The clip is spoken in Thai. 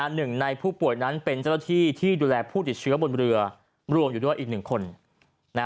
หนึ่งในผู้ป่วยนั้นเป็นเจ้าหน้าที่ที่ดูแลผู้ติดเชื้อบนเรือรวมอยู่ด้วยอีกหนึ่งคน